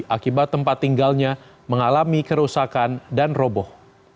akibat tempat tinggalnya mengalami kerusakan dan roboh